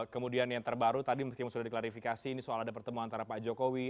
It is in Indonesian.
kemudian yang terbaru tadi meskipun sudah diklarifikasi ini soal ada pertemuan antara pak jokowi